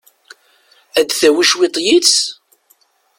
Ad tawi cwiṭ yid-s?